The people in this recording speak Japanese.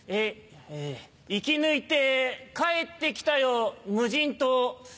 生き抜いて帰ってきたよ無人島。